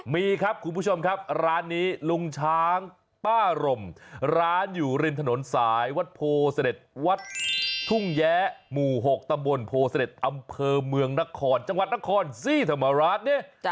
มีครับคุณผู้ชมครับร้านนี้ลุงช้างป้ารมร้านอยู่ริมถนนสายวัดโพเสด็จวัดทุ่งแย้หมู่๖ตำบลโพเสด็จอำเภอเมืองนครจังหวัดนครสีธรรมราชเนี่ย